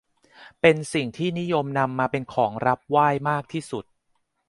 เป็นสิ่งที่นิยมนำมาเป็นของรับไหว้มากที่สุด